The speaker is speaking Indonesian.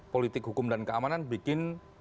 politik hukum dan keamanan bikin